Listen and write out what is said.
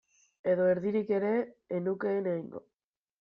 Edo erdirik ere ez nukeen egingo.